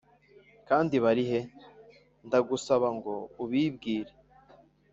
“kandi bari he? ndagusaba ngo ubibwire. ”